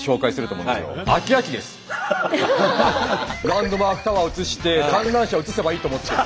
ランドマークタワーを映して観覧車を映せばいいと思ってる。